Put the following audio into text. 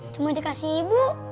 cuma dikasih ibu